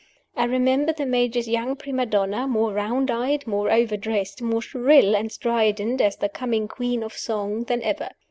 I remember the Major's young prima donna, more round eyed, more overdressed, more shrill and strident as the coming "Queen of Song," than ever.